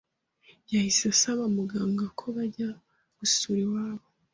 yahise asaba Muganga ko bajya gusura iwabo.